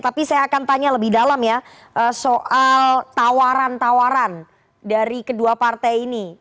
tapi saya akan tanya lebih dalam ya soal tawaran tawaran dari kedua partai ini